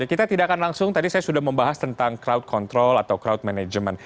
kita tidak akan langsung tadi saya sudah membahas tentang crowd control atau crowd management